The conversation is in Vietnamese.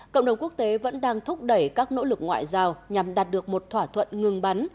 cộng đồng quốc tế vẫn đang thúc đẩy các nỗ lực ngoại giao nhằm đạt được một thỏa thuận ngừng bắn